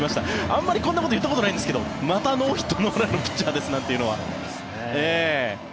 あまりこういうことを言ったことないんですがまたノーヒット・ノーランのピッチャーですというのは。